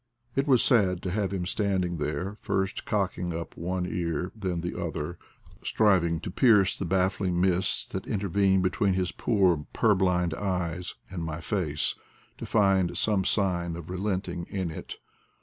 It was sad to have him standing there, first cocking up one ear, then the other, striving to pierce the baffling mists that inter vened between his poor purblind eyes and my face, to find some sign of relenting in it.